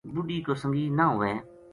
بڈھی کو سنگی نہ ہووے